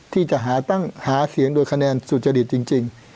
ที่จะหาเสียงโดยคะแนนสุจริตจริง